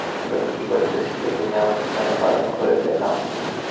তুমি কী করিতেছিলে, তুমি আমাকে কেন বারণ করিলে না।